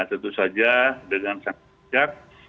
nah tentu saja dengan sangat sejak